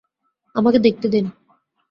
আমাকে দেখতে দিন।